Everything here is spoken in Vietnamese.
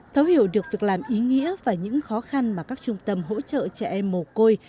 thấu hiểu được việc làm ý nghĩa và những khó khăn mà các trung tâm hỗ trợ trẻ em mồ côi